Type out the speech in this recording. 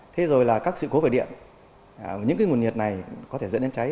thế rồi là các sự cố vệ điện những nguồn nhiệt này có thể dẫn đến cháy